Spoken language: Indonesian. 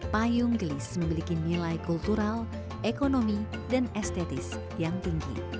payung gelis memiliki nilai kultural ekonomi dan estetis yang tinggi